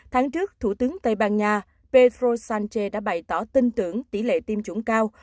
tháng trước thủ tướng tây ban nha pedro sánche đã bày tỏ tin tưởng tỷ lệ tiêm chủng cao